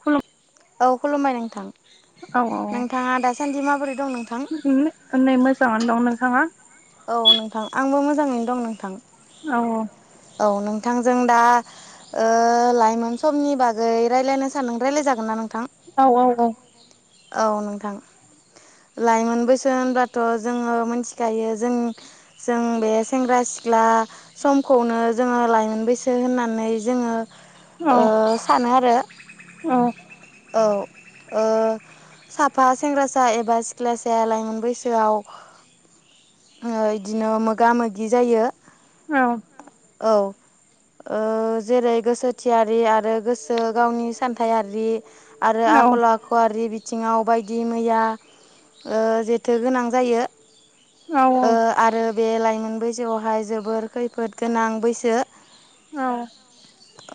खुलुम औ खुलुमबाय नोंथां औ औ नोंथाङा दासान्दि माबोरै दं नोंथां [unintelligible] नै मोजाङानो दं नोंथाङा औ नोंथां आंबो मोजाङैनो दं नोंथां औ औ नोंथां जों दा ओ लाइमोन समनि बागै रायलायनो सानदों रायलाय जागोन ना नोंथां औ औ औ औ नोंथां लाइमोन बैसो होनबाथ' जोङो मोनथिखायो जों जों बे सेंग्रा सिख्ला समखौनो जोङो लाइमोन बैसो होननानै जोङो औ ओ सानो आरो औ औ ओ साफा सेंग्रासा एबा सिख्लासाया लाइमोन बैसोआव ओ इदिनो मोगा मोगि जायो औ औ ओ जेरै गोसोथियारि आरो गोसो गावनि सान्थायारि आरो औ आखल आखुवारि बि सिङाव बायदि मैया ओ जेथो गोनां जायो औ ओ आरो बे लाइमोन बैसोआवहाय जोबोर खै फोद गोनां बैसो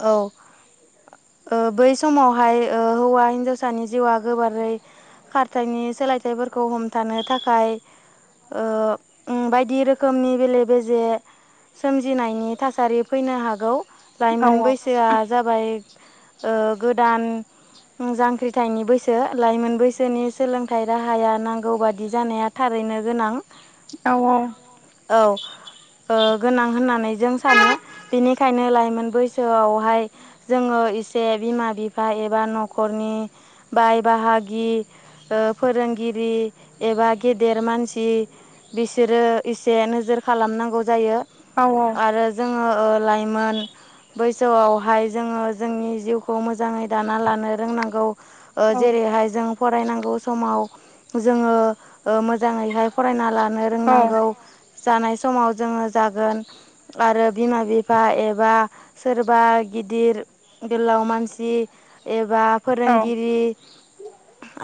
औ ओ बै समावहाय ओ हौवा हिन्जावसानि जिउआ गोबा रै खारथायनि सोलायथायफोरखौ हमथानो थाखाय ओ उम बायदि रोखोमनि बेले बेजे सोमजिनायनि थासारि फैनो हागौ औ लाइमोन बैसोआ जाबाय ओ गोदान जांख्रिथायनि बैस [unintelligible] लाइमोन बैसोनि सोलोंथाइ राहाया नांगौ बादि जानाया थारैनो गोनां औ औ औ ओ गोनां होननानै जों सानो बिनिखायनो लाइमोन बैसोआवहाय जोङो इसे बिमा बिफा एबा न'खरनि बाय बाहागि ओ फोरोंगिरि एबा गेदेर मानसि बिसोरो इसे नोजोर खालामनांगौ जायो आरो जोङो लाइमोन बैसोआवहाय जोङो जोंनि जिउखौ मोजाङै दाना लानो रोंनांगौ जेरैहाय जों फरायनांगौ समाव जोङो मोजाङैहाय फरायना ला नो रोंनांगौ औ जानाय समाव जोङो जागोन आरो बिमा -बिफा एबा सोरबा गिदिर गोलाव मानसि एबा फोरोंगिरि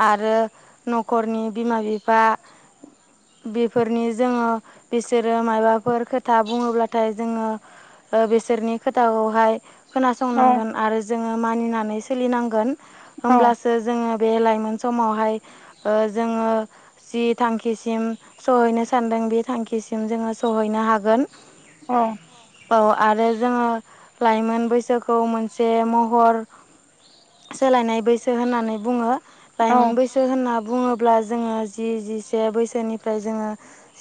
आरो न'खरनि बिमा बिफा बेफोरनि जोङो बिसोरो माबाफोर खोथा बुङोब्लाथाय जोङो बिसोरनि खोथाखौहाय खोनासंनांगोन आरो जोङो मानिनानै सोलिनांगोन होमब्लासो जोङो बे लाइमोन समावहाय ओ जोङो जि थांखिसिम सहैनो सानदों बे थांखिसिम जोङो सहैनो हागोन औ औ आरो जोङो लाइमोन बैसोखौ मोनसे महर सोलायनाय बैसो होननानै बुङो लाइमोन बैसो सो होनना बुङोब्ला जोङो जि जिसे बैसोनिफ्राय जोङो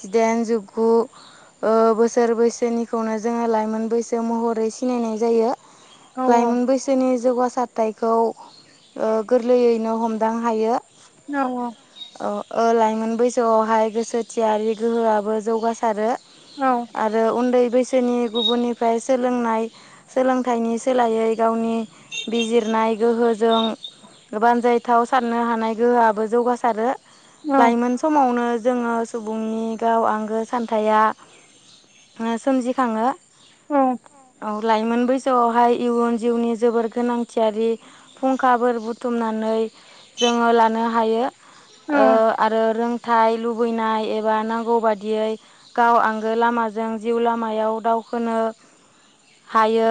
जिदाइन जिगु बोसोर बैसोनिखौनो जोङो लाइमोन बैसो महरै सिनायनाय जायो लाइमोन बैसोनि जौगासारथायखौ गोरलैयैनो हमदां हायो औ औ लाइमोन बैसोआवहाय गोसोथियारि गोहोआबो जौगासारो आरो उन्दै बैसोनि गुबुननिफ्राय सोलोंनाय सोलोंथाइनि सोलायै गावनि बिजिरनाय गोहोजों बानजायथाव साननो हानाय गोहोआबो जौगासारो लाइमोन समावनो जोङो सुबुंनि गाव आंगो सान्थाया सोमजिखाङो औ लाइमोन बैसोआवहाय इयुन जिउनि जोबोर गोनांथियारि अखाफोरो बुथुमनानै जोङो लानो हायो। आरो रोंथाइ लुबैनाय एबा नांगौ बादियै गाव आंगो लामाजों जिउ लामायाव दावखोनो हायो।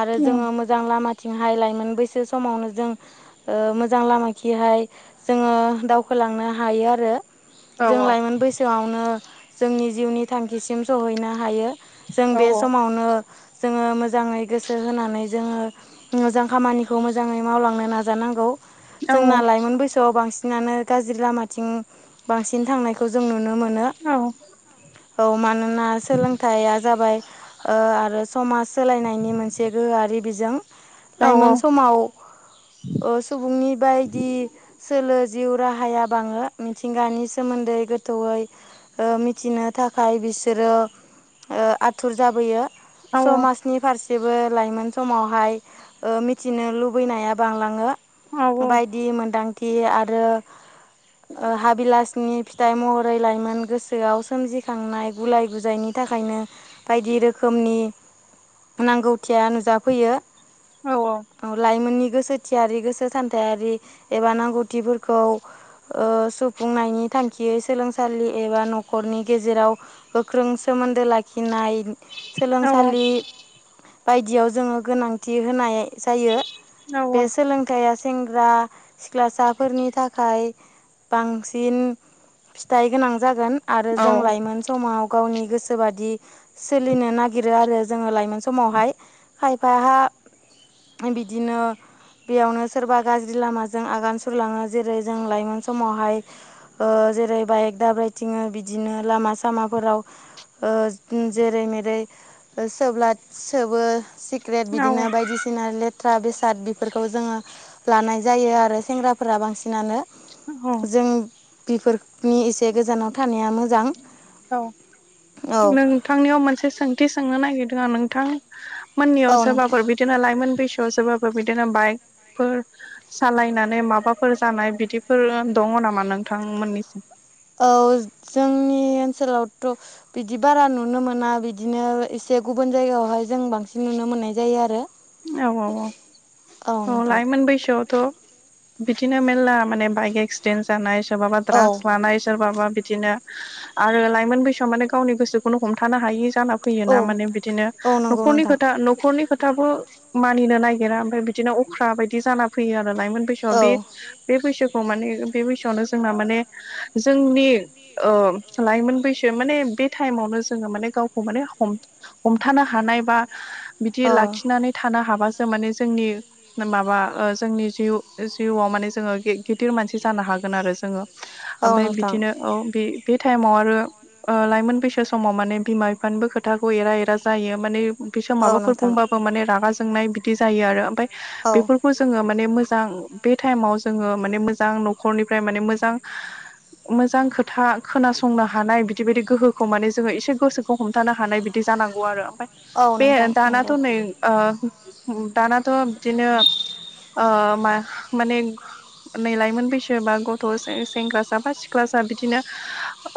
आरो जोङो मोजां लामाथिंहाय लायमोन बैसो समावनो जों मोजां लामााखिहाय जोङो दावखोलांनो हायो आरो जों लाइमोन बैसोआवनो जोंनि जिउनि थांखिसिम सहैनो हायो जों बे समावनो जोङो मोजाङै गोसो गोसो होनानै जोङो मोजां खामानिखौ मोजाङै मावलांनो नाजानांगौ जोंना लाइमोन बैसो स' बांसिनानो गाज्रि लामाथिं बांसिन थांनायखौ जों नुनो मोनो। औ मानोना सोलोंथाइया जाबाय आरो समाज सोलायनायनि मोनसे गोहोआरि बिजों लाइमोन समाव सुबुंनि बायदि सोलो जिउ राहाया बाङो मिथिंगानि सोमोन्दै गोथौयै मिथिनो थाखाय बिसोरो आथुर जाबोयो समाजनि फारसेबो लाइमोन समावहाय मिथिनो लुबै नाया बांलाङो बायदि मोन्दांथि आरो हाबिलासनि फिथाइ महरै लाइमोन गोसोआव सोमजिखांनाय गुलाय गुजायनि थाखायनो बायदि रोखोमनि नांगौथिया नुजाफैयो औ औ लाइमोननि गोसोथियारि गोसो सान्थायारि एबा नांगौथिफोरखौ सुफुंनायनि थांखियै सोलोंसालि एबा न'खरनि गेजेराव गोख्रों सोमोन्दो लाखिनाय सोलोंसालि बायदियाव जोङो गोनांथि होनाय जायो। बे सोलों थाया सेंग्रा सिख्लासाफोरनि थाखाय बांसिन। फिथाइ गोनां जागोन आरो जों लाइमोन समाव गावनि गोसोबादि। सोलिनो नागिरो आरो जोङो लाइमोन समावहाय खायफाहा बिद दिनो यावनो सोरबा गाज्रि लामाजों आगान सुरलाङो जेरै जों लाइमोन समावहाय। ओ-जेरै बाइक दाब्रायथिङो बिदिनो लामा सामाफोराव। ओ-जेरै मेरै ओ-सोब्ला ओ-सोबो सि ग्रेट बिदिनो बायदिसिना लेट थ्रा बेसाद बेफोरखौ जोङो लानाय जायो आरो सेंग्राफोरा बांसिनानो। औ जों बेफोरनि एसे गोजानाव थानाया मोजां। औ औ नोंथांनियाव मोनसे सोंथि सोंनो नागिरदों आं नोंथां। मोननियाव औ नोंथां सोरबाफोर बिदिनो लाइमोन बैसोआव सोरबाफोर बिदिनो बाइकफोर? सालायनानै माबाफोर जानाय बिदिफोर दङ नामा नोंथांमोननि? औ जोंनि ओनसोलावथ' बिदि बारा नुनो मोना बिदिनो एसे गुबुन जायगायावहाय जों बांसिन नुनो मोननाय जायो आरो औ औ औ औ लायोमोन बैसोआवथ'। बिदिनो मेल्ला माने बाइक एक्सिडेन्ट जानाय सोरबाबा औ द्राग्स लानाय सोरबाबा बिदिनो। आरो लाइमोन बैसोआ माने गावनि गोसोखौनो हमथानो हायि जाना फैयोना फैयो माने बिदिनो न'खरनि खोथा न'खरनि खोथाखो मानिनो नागिरा ओमफ्राय बिदिनो अख्रा बायदि जाना फैयो आरो लाायमोन बैसोआ बे। बे बैसोखौ माने बे बैसोआवनो जोंना माने जोंनि। ओ-लाइमोन बैसो माने बे टाइमावनो जोङो माने गावखौ माने हम हमथानो हानाय बा फोथायनानै थानो हाबा बिदि लाखिनानै थानो हाबासो माने जोंनि। माबा ओ-जोंनि जिउ ओ-जिउआव माने जोङो गि-गिदिर मानसि जानो हागोन आरो जोङो। हागोन ओमफाय आरो जोङो ओमफ्राय बिदिनो औ बे। बे टाइमाव आरो लाइमोन बैसो समाव माने बिमा बिफानिबो खोथाखौ एरा एरा जायो माने। बिसोर मोजांफोर माबाफोर बुंबाबो माने रागा जोंनाय बिदि जायो आरो ओमफफ्राय ओ बेफोर खौ जोङो माने मोजां बे टाइमाव जोङो माने मोजां न'खरनिफ्राय माने मोजां। मोजां खोथा खोनासंनो हानाय बिदि बायदि गोहोखौ माने जोङो एसे गोसो खौ हमथानो हानाय बिदि जानांगौ आरो ओमफ्राय औ बिसोरो बे लेखा दानाथ' नै फनावसो ओ-दानाथ' बिदिनो ओ-मा-माने। नै लाइमोन बैसो बा गथ' सेंग्रासा बा सिख्लासा बिदिनो।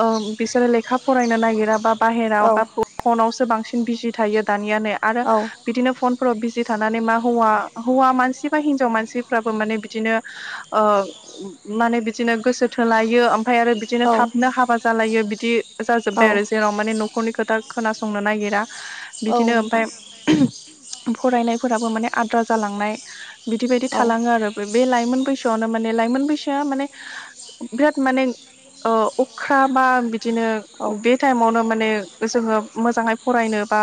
ओ बिसोरो लेखा फरायनो नागिरा बा बाहेराव बा फनावसो बांसिन बिजि थायो दानिया ने आरो। बिदिनो फनफोराव बिजि थानानै मा हौवा हौवा मानसि बा हिनजाव मानसिफ्राबो माने बिदिनो। ओ-माने माने बोसोरसे लायो ओमफ्राय आरो थाबनो हाबा जालायो बिदि जाजोब्बाय आरो जोंनाव माने न'खरनि खोथाखौ खोनासंनो नागिरा ओमफ्राय बेबायदि खालामो बिदिनो गोसो थोलायो। ओमफफ्राय आरो बिदिनो थाबनो हाबा जालायो बिदि जाजोब्बाय आरो जेराव। माने न'खरनि खोथा खोनासंनो नागिरा बिदिनो ओमफाय औ फरायनायफोराबो माने आद्रा जालांनाय बिदि बायदि थालाङो आरो। बे लाइमोन बैसोआवनो माने लाइमोन बैसोआ माने बिराद माने ओ-अख्रा बा बिदिनो बे टाइमावनो माने जोङो मोजांहै फरायनो बा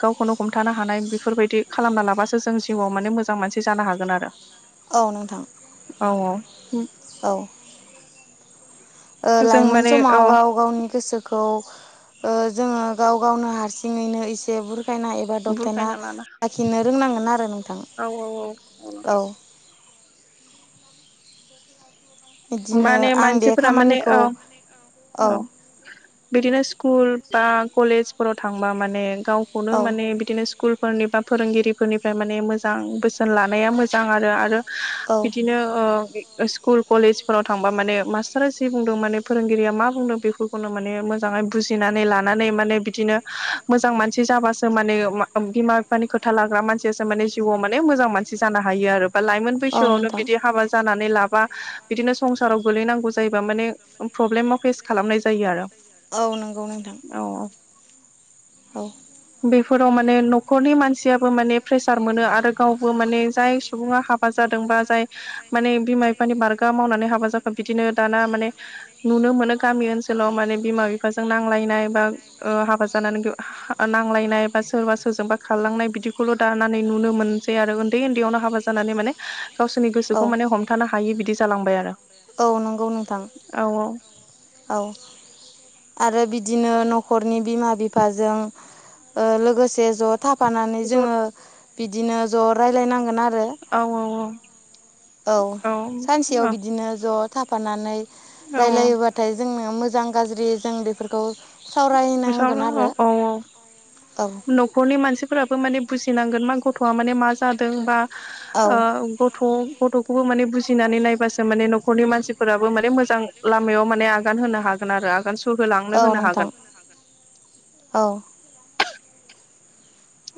गावखौनो हमथानो हानाय बेफोरबायदि खालामना लाबासो जों जिउआव माने मोजां मानसि जानो हागोन आरो। औ नोंथां। औ औ। औ। ओ जों लाइमोन माने औ समाव गाव गावनि गोसो खौ ओ जोङो गाव गावनो हारसिङैनो एसे बुरखायनाय एबा दबथायना बुरखायना लाना लाखिनो रोंनांगोन आरो नोंथां औ औ औ [unintelligible] [inaudible] माने आं बे मानसिफोरा माने खामानिखौ औ औ-औ बिदिनो स्कुल बा कलेजफोराव थांबा माने गावखौनो माने बिदिनो स्कुलफोरनि बा फोरोंगिरिफोरनिफ्राय माने मोजां बोसोन लानाया मोजां आरो आरो आरो बिदिनो ओ स्कुल कलेज फोराव थांबा माने मास्टारा जि बुंदों माने फोरोंगिरिया मा बुंदों बेफोरखौनो माने मोजाङै बुजिनानै लानानै माने बिदिनो मोजां मानसि जाबासो माने बिमा बिफा खोथा लाग्रा मानसियासो माने जिउआव मान मोजां मानसि ज हायो। बा लाइमोन बैसोआवनो बिदि हाबा जानानै लाबा बिदिनो संसाराव गोलैनांगौ जायोबा माने प्रब्लेमाव फेस खालामनाय जायो आरो औ नंगौ नोंथां। औ-औ औ- बेफोराव माने न'खरनि मानसियाबो माने प्रेसार मोनो आरो गावबो माने जाय सुबुङा हा बा जादोंबा जाय बा जाय माने बिमा बि मावनानै हाबा जाखो बिदिनो दाना माने नुनो मोनो गामि ओनसोलाव माने बिमा बिफा बिफाजों नांलायनाय बा हाबा जानानै नांलायनाय बा सोरबा सोरजोंबा खारलांनाय बिदिखौल' दानानै नुनो मोनसै आरो उन्दै उन्दैयावनो हाबा जानानै माने गावसोरनि गोसोखौ माने हमथानो हायि बिदि जालांबाय आरो औ नंगौ नोंथां। औ-औ औ आरो बिदिनो न'खरनि बिमा बिफाजों लोगोसे ज' थाफानानै ज' औ जोङो बिदिनो ज' रायलायनांगोन आरो औ औ औ औ सानसेयाव बिदिनो ज' थाफानानै रायजलायोबाथाय जोंनो मोजां गाज्रि जों बेफोरखौ सावरायनांगोन आरो औ-औ-औ न'खरनि मानसिफोरा बुजिनांगोन गथ म मा जादों बा ओ गथ गथ खौबो माने बुजिनानै नायबासो माने न'खरनि मानसिफोराबो माने मोजां लामायाव माने आगान होनो हागोन आरो आगान सु औ नोंथां औ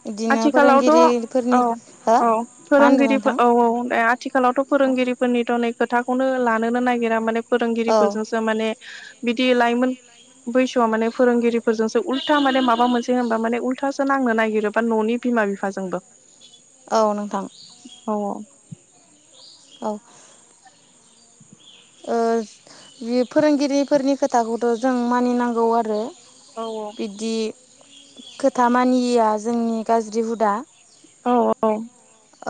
बिदिनो आथिखालावथ' फोरोंगिरिफोरनि हो औ-औ मा होनदों नोंथां? फोरोंगिरिफोर औ-औ दे आथिखालावथ' फोरोंगिरिफोरनिथ' नै खोथाखौनो लानोनो नागिरा माने फोरोंगिरिफोरजोंसो फोरोंगिरिफोरजों माने बिदि लाइमोन बैसोआ माने फोरोंगिरिफोरजोंसो उल्था माने माबा मोनसे होनबा माने उल्थासो नांनो नागिरोब बा न'नि बिमा बिफाजोंबो औ नोंथां। औ-औ औ ओ बे फोरोंगिरिफोरनि खोथाखौथ' जों मानिनांगौ आरो औ-औ बिदि खोथा मानियैया जोंनि गाज्रि हुदा। औ औ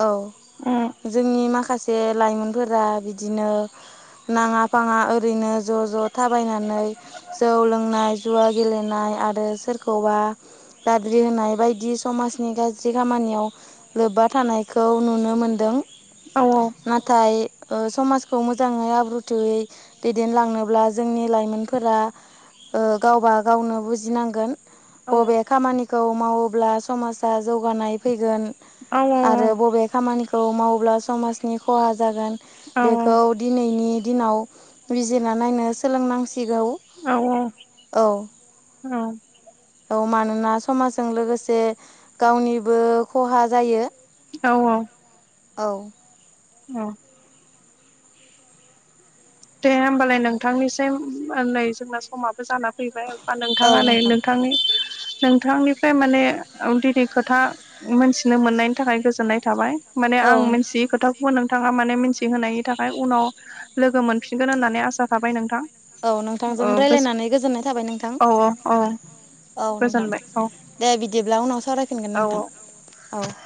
औ जोंनि माखासे लाइमोनफोरा बिदिनो नाङा फाङा ओरैनो ज' ज' थाबायनानै जौ लोंनाय जुवा गेलेनाय आरो सोरखौबा दाद्रि होनाय बायदि समाजनि गाज्रि खामानियाव लोब्बा थानायखौ नुनो मोनदों। नाथाय ओ समाजखौ मोजांङै आब्रु थोयै दैदेनलांनोब्ला जोंनि लाइमोनफोरा ओ गावबा गावनो बुजिनांगोन। बबे खामानिखौ मावोब्ला समाजा जौगानाय फैगोन आरो बबे खामानिखौ मावोब्ला समाजनि खहा जागोन बेखौ दिनैनि दिनाव बिजिरना नायनो सोलोंनांसिगौ औ औ औ औ मानोना समाजजों लोगोसे गावनिबो खहा जायो। औ औ औ औ दे होमबालाय नोंथांनिसम नै जोंना समाबो जान फैबाय बा नोंथांङा औ नै नोंथां। नोंथांनि नोंथांनिफ्राय माने दिनै खोथा मिथिनो मोननायनि थाखाय गोजोननाय थाबाय। माने आं मिथियै खोथाखौबो नोंथांङा माने मिथिहोनायनि थाखाय उनाव लोगो मोन फिनगोन होननानै आसा थाबाय नोंथां। औ नोंथांजों औ रायज्लायनानै गोजोननाय थाबाय नोंथां। औ औ औ नोंथां गोजोनबाय औ दे बिदिब्ला उनाव सावरायफिनगोन औ औ नोंथां औ।